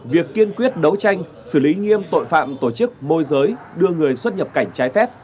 việc kiên quyết đấu tranh xử lý nghiêm tội phạm tổ chức môi giới đưa người xuất nhập cảnh trái phép